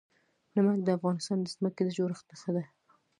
نمک د افغانستان د ځمکې د جوړښت نښه ده.